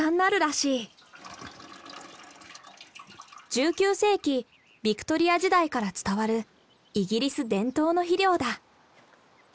１９世紀ビクトリア時代から伝わるイギリス伝統の肥料だ。